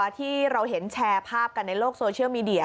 ที่เราเห็นแชร์ภาพกันในโลกโซเชียลมีเดีย